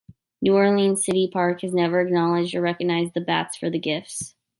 New Orleans City Park has never acknowledged or recognized the Batts for the gifts.